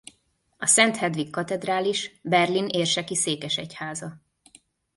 A Szent Hedvig Katedrális Berlin érseki székesegyháza.